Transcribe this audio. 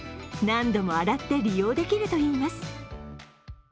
何度も洗って利用できるといいます。